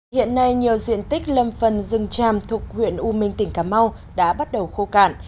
hiện nay nhiều diện tích lâm phần rừng tràm thuộc huyện u minh tỉnh cà mau đã bắt đầu khô cạn